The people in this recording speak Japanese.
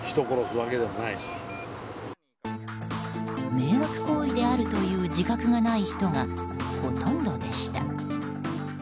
迷惑行為であるという自覚がない人がほとんどでした。